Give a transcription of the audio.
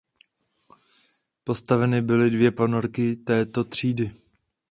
Postaveny byly dvě ponorky této třídy.